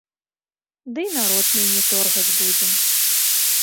Дый народ меней торгаць будзем.